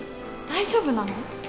大丈夫なの？